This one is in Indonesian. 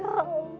kamu di mana